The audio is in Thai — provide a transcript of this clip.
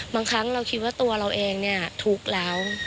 บางครั้งเราคิดว่าตัวเราเองเนี่ยทุกข์แล้ว